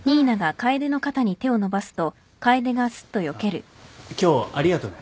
あっ今日ありがとね。